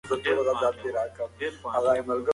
هر څوک چې دا کیسه لولي، باید د خپل زړه کینه پاکه کړي.